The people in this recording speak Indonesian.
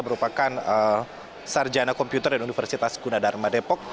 merupakan sarjana komputer dari universitas gunadharma depok